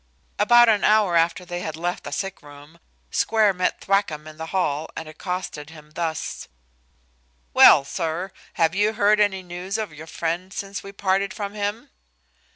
About an hour after they had left the sick room, Square met Thwackum in the hall and accosted him thus: "Well, sir, have you heard any news of your friend since we parted from him?"